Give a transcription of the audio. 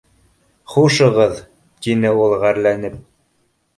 Хушығыҙ, — тине ул, ғәрләнеп